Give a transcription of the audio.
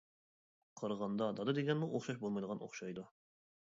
قارىغاندا دادا دېگەنمۇ ئوخشاش بولمايدىغان ئوخشايدۇ.